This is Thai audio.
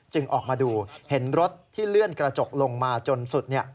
ออกมาดูเห็นรถที่เลื่อนกระจกลงมาจนสุด